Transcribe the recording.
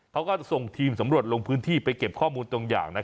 เขาก็ส่งทีมสำรวจลงพื้นที่ไปเก็บข้อมูลตรงอย่าง